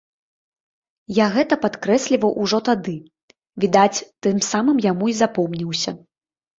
Я гэта падкрэсліваў ужо тады, відаць, тым самым яму і запомніўся.